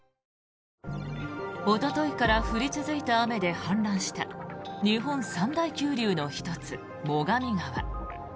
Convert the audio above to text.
おとといから降り続いた雨で氾濫した日本三大急流の１つ最上川。